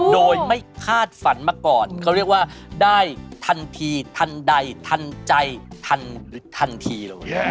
โดยไม่คาดฝันมาก่อนเขาเรียกว่าได้ทันทีทันใดทันใจทันหรือทันทีเลย